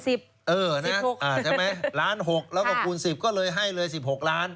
ใช่ไหมล้าน๖แล้วก็คูณ๑๐ก็เลยให้เลย๑๖ล้าน